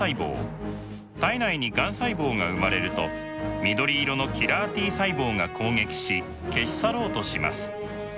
体内にがん細胞が生まれると緑色のキラーＴ細胞が攻撃し消し去ろうとします。